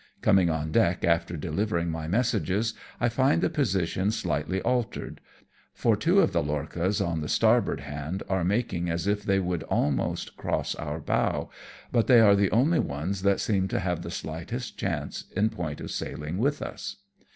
Coming on deck after delivering my messages, I find the position slightly altered, for two of the lorchas on the starboard hand are making as if they would almost cross our bow, but they are the only ones that seem to have the slightest chance in point of sailing with us.